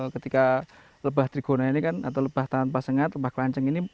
ketika lebah drigona ini kan atau lebah tanpa sengat lebah kelanceng ini